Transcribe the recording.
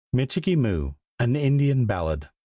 MICHIKEE MOO. AN INDIAN BALLAD.